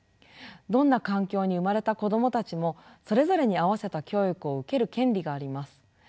どんな環境に生まれた子どもたちもそれぞれに合わせた教育を受ける権利があります。